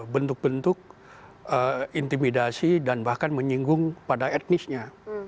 bentuk bentuk intimidasi dan bahkan menyinggung pada etnisnya